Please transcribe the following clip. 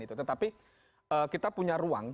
tetapi kita punya ruang